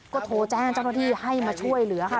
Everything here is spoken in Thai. ก็โทรแจ้งเจ้าหน้าที่ให้มาช่วยเหลือค่ะ